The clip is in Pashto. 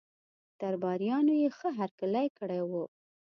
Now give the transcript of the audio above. درباریانو یې ښه هرکلی کړی وو.